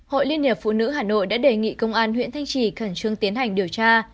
hội liên hiệp phụ nữ hà nội đã đề nghị công an huyện thanh trì khẩn trương tiến hành điều tra